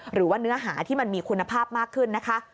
หรือว่าเนื้อหาที่มันมีคุณภาพมากขึ้นนะคะ